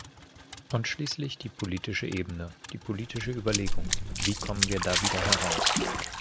Und schließlich die politische Ebene, die politische Überlegung: wie kommen wir da wieder heraus?